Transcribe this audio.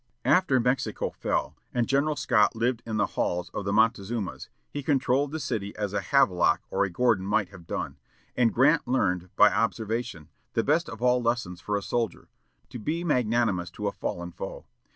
After Mexico fell, and General Scott lived in the halls of the Montezumas, he controlled the city as a Havelock or a Gordon might have done; and Grant learned by observation the best of all lessons for a soldier, to be magnanimous to a fallen foe.